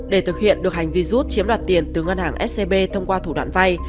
để thực hiện được hành vi rút chiếm đoạt tiền từ ngân hàng scb thông qua thủ đoạn vay